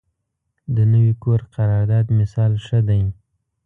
د نوي کور قرارداد مثال ښه دی.